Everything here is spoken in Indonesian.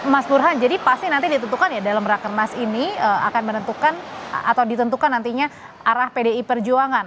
mas burhan jadi pasti nanti ditentukan ya dalam rakernas ini akan menentukan atau ditentukan nantinya arah pdi perjuangan